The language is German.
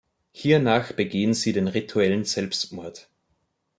Hiernach begehen sie den rituellen Selbstmord.